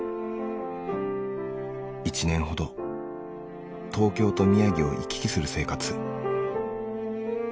１年ほど東京と宮城を行き来する生活。